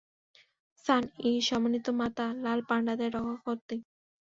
সান Yi, সম্মানিত মাতা, লাল পান্ডাদের রক্ষাকর্ত্রী।